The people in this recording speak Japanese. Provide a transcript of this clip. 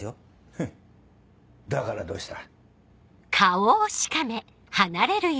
フンっだからどうした。